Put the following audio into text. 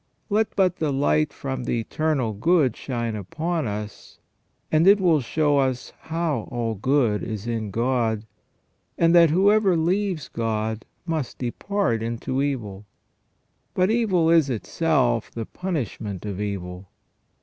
Let but the light from the Eternal Good shine upon us, and it will show us how all good is in God, and that whoever leaves God must depart into evil. But evil is itself the punish ment of evil.